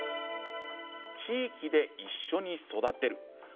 地域で一緒に育てる。